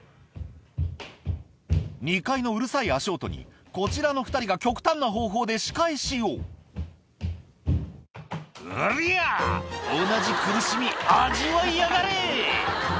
２階のうるさい足音にこちらの２人が極端な方法で仕返しを「うりゃ！同じ苦しみ味わいやがれ！」